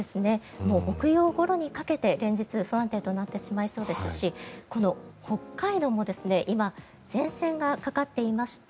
木曜日ごろにかけて連日不安定となってしまいそうですしこの北海道も今、前線がかかっていまして